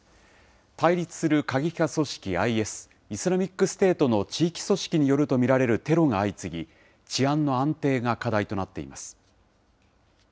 対立する過激派組織ＩＳ・イスラミックステートの地域組織によると見られるテロが相次ぎ、治安の安定が課題となっています。